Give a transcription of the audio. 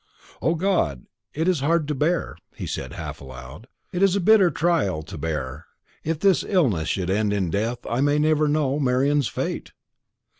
"O God, it is hard to bear!" he said half aloud: "it is a bitter trial to bear. If this illness should end in death, I may never know Marian's fate."